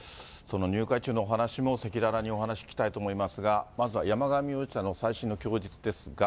入会中のお話も赤裸々にお話聞きたいと思いますが、まずは山上容疑者の最新の供述ですが。